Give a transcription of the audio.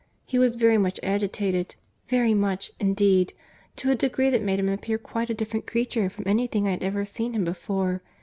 —He was very much agitated—very much, indeed—to a degree that made him appear quite a different creature from any thing I had ever seen him before.